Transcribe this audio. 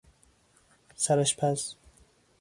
سرآشپز